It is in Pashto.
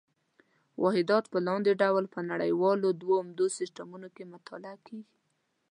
واحدات په لاندې ډول په نړیوالو دوو عمده سیسټمونو کې مطالعه کېږي.